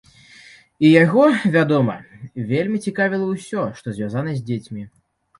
І яго, вядома, вельмі цікавіла ўсё, што звязана з дзецьмі.